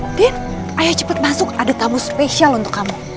din din ayo cepet masuk ada tamu spesial untuk kamu